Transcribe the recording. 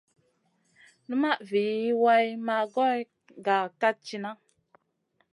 Numaʼ vi way maʼ goy ga kat tina.